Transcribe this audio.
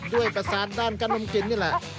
ด้วยประสานด้านการดมกลิ่นนี่แหละ